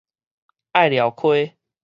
隘寮溪